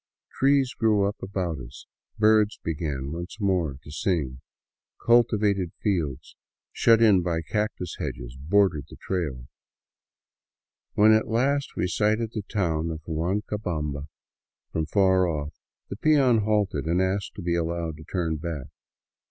Trees grew up about us, birds began once more to sing, cultivated fields shut in by cactus hedges bordered the trail. When at last we sighted the town of Huancabamba from far off, the peon halted and asked to be allowed to turn back.